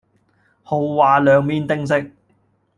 豪華涼麵定食